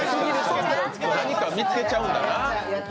何か見つけちゃうんだな。